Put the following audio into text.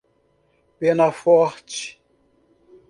Penaforte